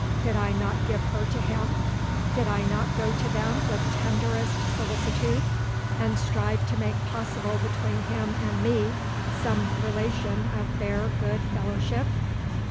Did I not give her to him? Did I not go to them with tenderest solicitude and strive to make possible between him and me some relation of bare good fellowship?